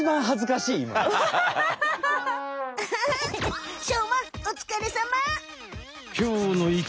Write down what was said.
しょうまおつかれさま！